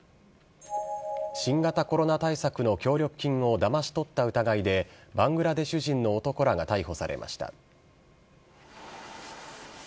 新型コロナ対策の協力金をだまし取った疑いで、バングラデシュ人の男らが逮捕されました。